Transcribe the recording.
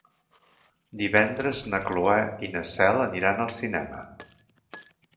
Divendres na Cloè i na Cel aniran al cinema.